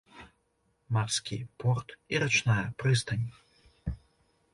Марскі порт і рачная прыстань.